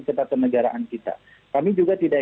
ketatanegaraan kita kami juga tidak